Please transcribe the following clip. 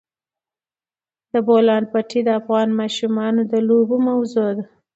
د بولان پټي د افغان ماشومانو د لوبو موضوع ده.